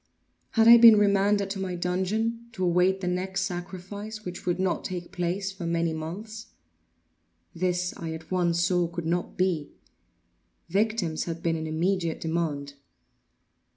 Had I been remanded to my dungeon, to await the next sacrifice, which would not take place for many months? This I at once saw could not be. Victims had been in immediate demand.